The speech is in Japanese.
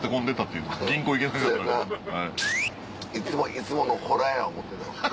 いつものホラや思ってたわ。